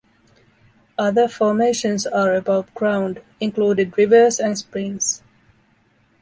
Other formations are above ground, including rivers and springs.